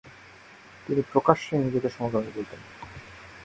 তিনি প্রকাশ্যে নিজেকে সমকামী বলতেন।